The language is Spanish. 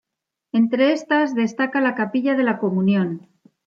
Entre estas destaca la Capilla de la Comunión.